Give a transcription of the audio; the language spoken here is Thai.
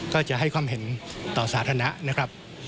ก็จะให้ความเห็นต่อสาธารณะนะครับ